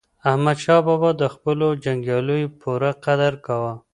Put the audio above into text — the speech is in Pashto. احمدشاه بابا د خپلو جنګیالیو پوره قدر کاوه.